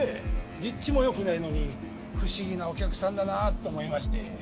立地も良くないのに不思議なお客さんだなと思いまして。